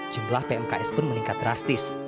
jumlah pmks pun meningkat drastis